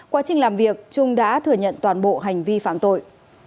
quá trình làm việc trung đã thừa nhận toàn bộ hành vi phạm tội